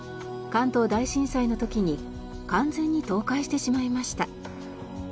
関東大震災の時に完全に倒壊してしまいました。